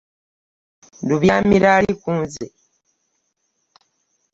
Lubyamira ali ku nze!